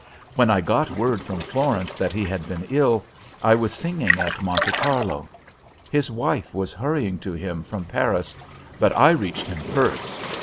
When I got word from Florence that he had been ill, I was singing at Monte Carlo. His wife was hurrying to him from Paris, but I reached him first.